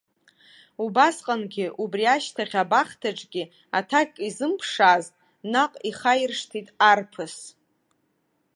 Убасҟангьы, убри ашьҭахь абахҭаҿгьы аҭак изымԥшаазт, наҟ ихаиршҭит арԥыс.